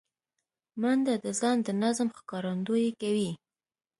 منډه د ځان د نظم ښکارندویي کوي